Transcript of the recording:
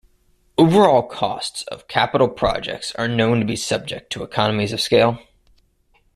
Overall costs of capital projects are known to be subject to economies of scale.